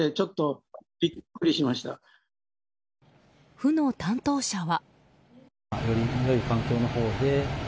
府の担当者は。